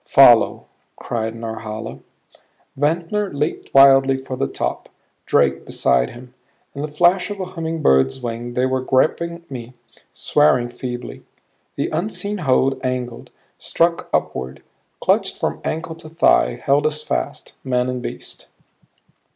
"Follow," cried Norhala. Ventnor leaped wildly for the top, Drake beside him; in the flash of a humming bird's wing they were gripping me, swearing feebly. The unseen hold angled; struck upward; clutched from ankle to thigh; held us fast men and beast.